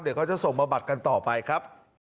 เดี๋ยวเขาจะส่งมาบัดกันต่อไปครับ